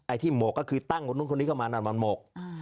ที่หมกก็คือตั้งคนนู้นคนนี้เข้ามานั่นมันหมก